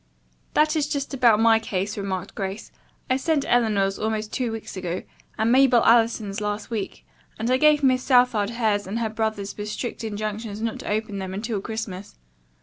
"That is just about my case," remarked Grace. "I sent Eleanor's almost two weeks ago, and Mabel Allison's last week. And I gave Miss Southard hers and her brother's with strict injunctions not to open them until Christmas."